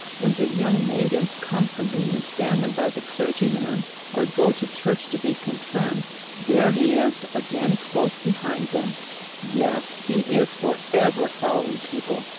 When the young maidens come from being examined by the clergyman, or go to church to be confirmed, there he is again close behind them. Yes, he is forever following people.